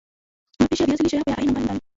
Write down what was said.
Mapishi ya viazi lishe yapo ya aina mbali mbal